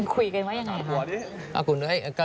คุยกันว่ายังไงครับ